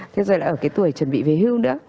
thế rồi ở tuổi chuẩn bị về hương nữa